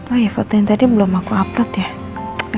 oh iya foto yang tadi belum aku upload ya